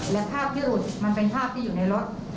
และภาพที่หลุดมันเป็นภาพที่อยู่ในรถ